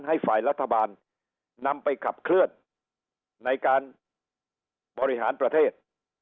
ให้ฝ่ายรัฐบาลนำไปขับเคลื่อนในการบริหารประเทศ